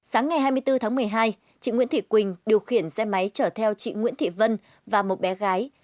sáng ngày hai mươi bốn tháng một mươi hai chị nguyễn thị quỳnh điều khiển xe máy chở theo chị nguyễn thị vân và một bé gái